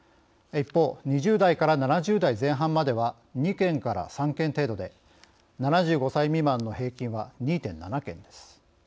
一方２０代から７０代前半までは２件から３件程度で７５歳未満の平均は２．７件です。